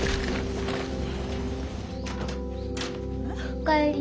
お帰り。